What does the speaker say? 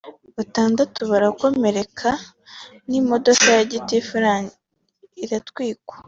batandatu barakomereka n’imodoka ya gitifu iratwikwa